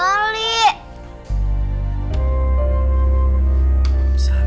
aku bonnie om bukan loli